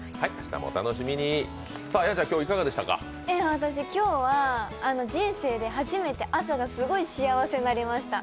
私、今日は人生で初めて朝がすごい幸せになりました。